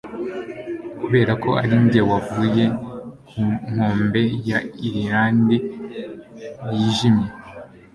Kuberako ari njye wavuye ku nkombe ya Irilande yijimye,